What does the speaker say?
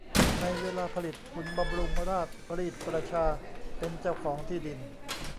ในเวลาผลิตขุนบำรุงราชรีดประชาเป็นเจ้าของที่ดิน